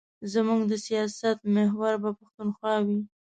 زموږ د سیاست محور به پښتونخوا وي.